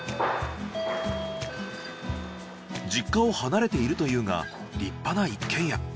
実家を離れているというが立派な一軒家。